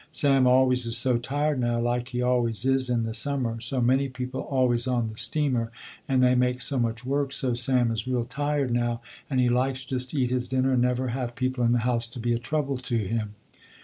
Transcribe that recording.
Sam always is so tired now, like he always is in the summer, so many people always on the steamer, and they make so much work so Sam is real tired now, and he likes just to eat his dinner and never have people in the house to be a trouble to him.